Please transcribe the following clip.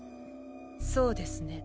そうですね。